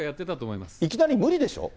いきなり無理でしょ。